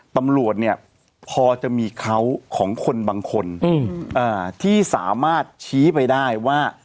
ตำรวจเนี่ยพอจะมีเขาของคนบางคนที่สามารถชี้ไปได้ว่า